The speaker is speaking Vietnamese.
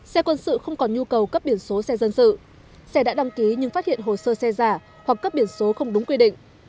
xe quân sự không còn nhu cầu cấp biển số xe dân sự xe đã đăng ký nhưng phát hiện hồ sơ xe giả hoặc cấp biển số không đúng quy định